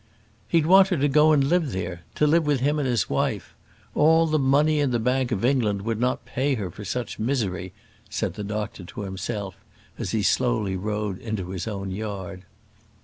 "He'd want her to go and live there to live with him and his wife. All the money in the Bank of England would not pay her for such misery," said the doctor to himself, as he slowly rode into his own yard.